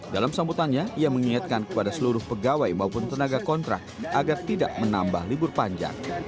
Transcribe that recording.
dalam sambutannya ia mengingatkan kepada seluruh pegawai maupun tenaga kontrak agar tidak menambah libur panjang